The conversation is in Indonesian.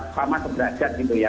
sama seberajat gitu ya